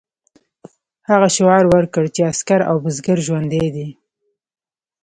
هغه شعار ورکړ چې عسکر او بزګر ژوندي دي.